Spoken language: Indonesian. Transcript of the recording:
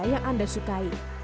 yang anda sukai